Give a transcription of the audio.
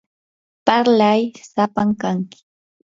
parlay sapam kanki.